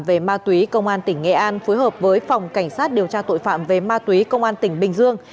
về ma túy công an tỉnh nghệ an phối hợp với phòng cảnh sát điều tra tội phạm về ma túy công an tỉnh bình dương